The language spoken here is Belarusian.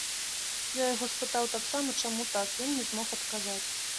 Я яго спытаў таксама, чаму так, ён не змог адказаць.